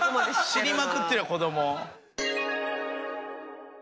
知りまくってる子ども。